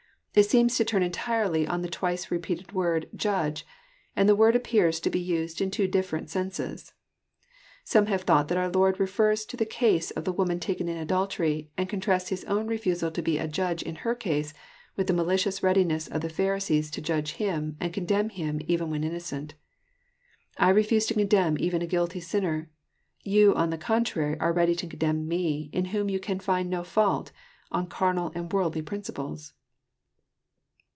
It seems to turn entirely on the twice repeated word ''judge, and the word appears to be used in two different senses. Some have thought that our Lord refers to the case of the woman taken in adultery, and contrasts His own reAisal to be a Judge in her case, with the malicious readiness of the Phari sees to Judge Him and condemn Him even when innocent. " I reftise to condemn even a guilty sinner. You on the contrary are ready to condemn Mc, in whom you can find no fault, on carnal and worldly principles."